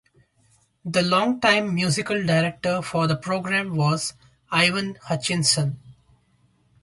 The long-time musical director for the program was Ivan Hutchinson.